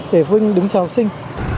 để phụ huynh đứng chờ học sinh